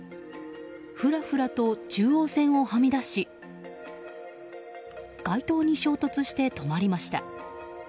ふらふらと中央線をはみ出し街灯に衝突して止まりました。